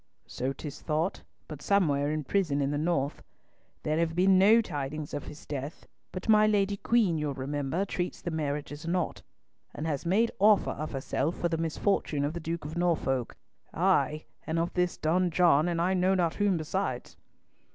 "So 'tis thought, but somewhere in prison in the north. There have been no tidings of his death; but my Lady Queen, you'll remember, treats the marriage as nought, and has made offer of herself for the misfortune of the Duke of Norfolk, ay, and of this Don John, and I know not whom besides."